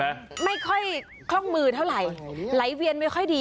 ไม่ค่อยคล่องมือเท่าไหร่ไหลเวียนไม่ค่อยดี